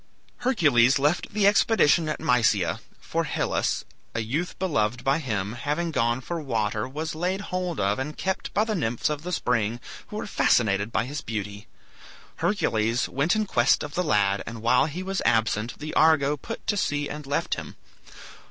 Hercules left the expedition at Mysia, for Hylas, a youth beloved by him, having gone for water, was laid hold of and kept by the nymphs of the spring, who were fascinated by his beauty. Hercules went in quest of the lad, and while he was absent the "Argo" put to sea and left him.